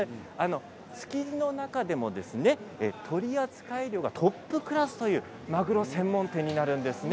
築地の中でも取り扱い量がトップクラスというマグロ専門店になります。